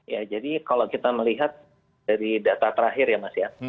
ya jadi kalau kita melihat dari data terakhir ya mas ya